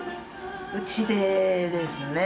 うちでですね。